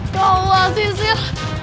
ya allah cecil